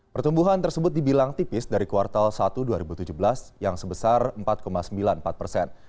pertumbuhan tersebut dibilang tipis dari kuartal satu dua ribu tujuh belas yang sebesar empat sembilan puluh empat persen